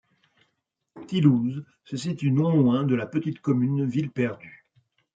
Thilouze se situe non loin de la petite commune Villeperdue.